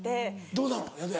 どうなの？